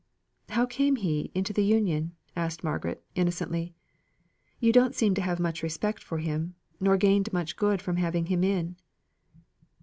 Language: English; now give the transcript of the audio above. "How came he into the Union?" asked Margaret innocently. "You don't seem to have much respect for him; nor gained much good from having him in."